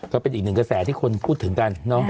ก็เป็นอีกหนึ่งกระแสที่คนพูดถึงกัน